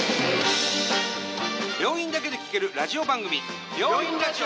病院だけで聞けるラジオ番組「病院ラジオ」。